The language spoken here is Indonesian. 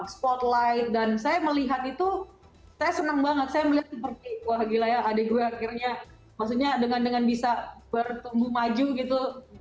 spotlight dan saya melihat itu saya senang banget saya melihat seperti wah gila ya adik gue akhirnya maksudnya dengan dengan bisa bertumbuh maju gitu